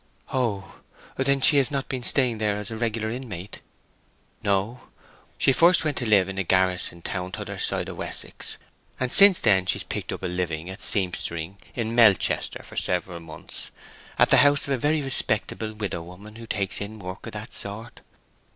"Oh!—then she has not been staying there as a regular inmate?" "No. She first went to live in a garrison town t'other side o' Wessex, and since then she's been picking up a living at seampstering in Melchester for several months, at the house of a very respectable widow woman who takes in work of that sort.